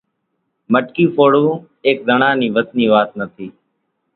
مٽڪي ڦوڙوون ايڪ زڻا نا وس ني وات نٿي